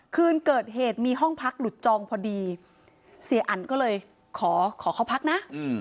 คืนเกิดเหตุมีห้องพักหลุดจองพอดีเสียอันก็เลยขอขอเข้าพักนะ